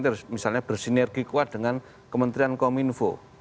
harus bersinergi kuat dengan kementerian kominfo